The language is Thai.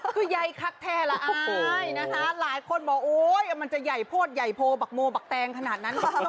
คือใยคักแท้ล่ะใช่นะคะหลายคนบอกโอ๊ยมันจะใหญ่โพดใหญ่โพบักโมบักแตงขนาดนั้น